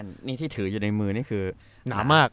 นี่ที่ถืออยู่ในมือนี่คือหนามาก